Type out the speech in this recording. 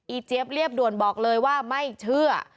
เจี๊ยบเรียบด่วนบอกเลยว่าไม่เชื่อ